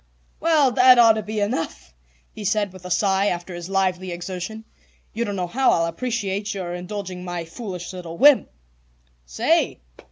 "Well, that ought to be enough," he said with a sigh after his lively exertion. "You don't know how I'll appreciate your indulging my foolish little whim." "Say!"